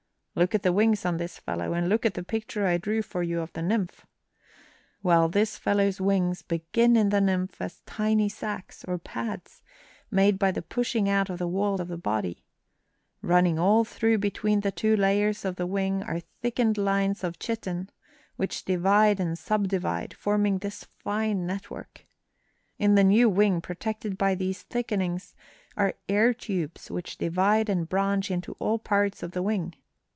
Look at the wings on this fellow, and look at the picture I drew for you of the nymph. Well, this fellow's wings begin in the nymph as tiny sacs, or pads, made by the pushing out of the wall of the body. Running all through between the two layers of the wing are thickened lines of chitin, which divide and subdivide, forming this fine network. In the new wing, protected by these thickenings, are air tubes, which divide and branch into all parts of the wing.